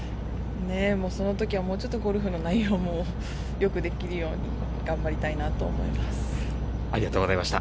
もう、そのときはもうちょっとゴルフの内容もよくできるように頑張りたありがとうございました。